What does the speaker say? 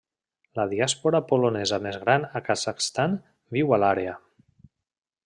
La diàspora polonesa més gran a Kazakhstan viu a l'àrea.